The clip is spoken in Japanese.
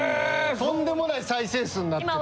とんでもない再生数になってて。